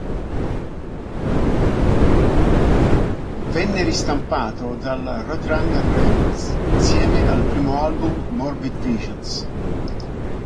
Venne ristampato dalla Roadrunner Records insieme al primo album Morbid Visions.